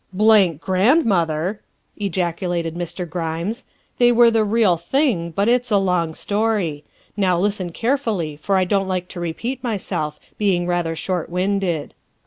" Blank grandmother!" ejaculated Mr. Grimes; " they were the real thing, but it's a long story. Now, listen carefully, for I don't like to repeat myself, being rather short winded.